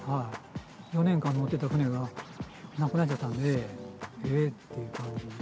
４年間乗ってた船がなくなっちゃったので、えー！という感じで。